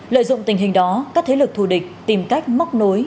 lợi dụng tình hình đó các thế lực thù địch tìm cách móc nối